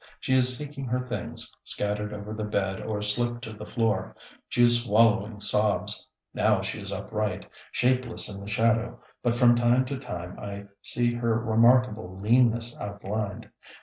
She is seeking her things, scattered over the bed or slipped to the floor; she is swallowing sobs. Now she is upright, shapeless in the shadow, but from time to time I see her remarkable leanness outlined.